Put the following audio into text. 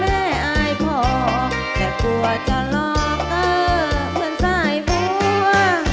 ไม่อายพอแต่กลัวจะหลอกเหมือนทรายฟัว